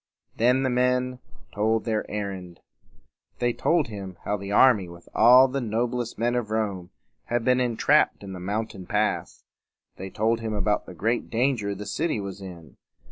Then the men told their errand. They told him how the army with all the noblest men of Rome had been en trapped in the mountain pass. They told him about the great danger the city was in.